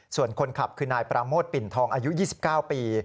ส่วนคนขับคือนายปราโมทปิ่นทองอายุ๒๙ปี